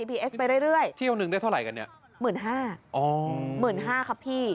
๑๕๐๐๐บาทครับพี่